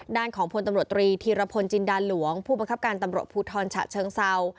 ด้านของพลตำรวจตรีธีรพลจินดาหลวงผู้บังคับการตำรวจภูทรฉะเชิงเซา